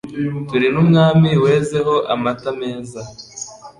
Turi n' Umwami wezeho amata meza